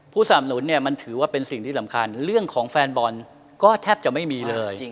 สนับหนุนเนี่ยมันถือว่าเป็นสิ่งที่สำคัญเรื่องของแฟนบอลก็แทบจะไม่มีเลย